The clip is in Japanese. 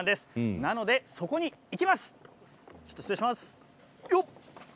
なので、そこに行きます。